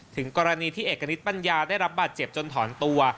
ถึงกรณีที่เอกณิตปัญญาได้รับบาดเจ็บจนถอนตัว